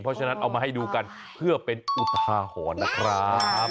เพราะฉะนั้นเอามาให้ดูกันเพื่อเป็นอุทาหรณ์นะครับ